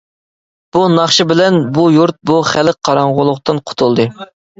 بۇ ناخشا بىلەن بۇ يۇرت بۇ خەلق قاراڭغۇلۇقتىن قۇتۇلدى.